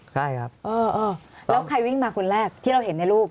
ใช่ครับแล้วใครวิ่งมาคนแรกที่เราเห็นในรูป